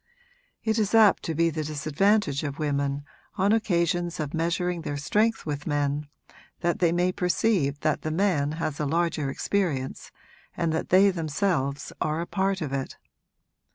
It is apt to be the disadvantage of women, on occasions of measuring their strength with men, that they may perceive that the man has a larger experience and that they themselves are a part of it.